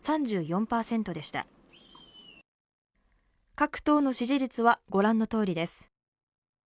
各党の支持率はご覧の通りです。